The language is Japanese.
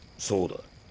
そうだ。